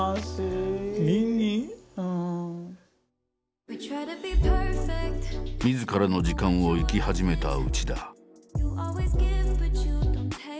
みずからの時間を生き始めた内田。